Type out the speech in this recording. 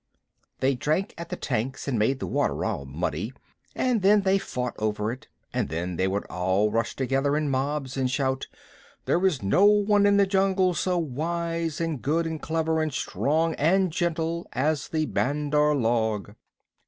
They drank at the tanks and made the water all muddy, and then they fought over it, and then they would all rush together in mobs and shout: "There is no one in the jungle so wise and good and clever and strong and gentle as the Bandar log."